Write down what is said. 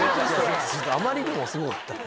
あまりにもすごかったんで。